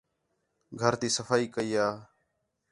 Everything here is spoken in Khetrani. گھر تی صفائی کَئی یا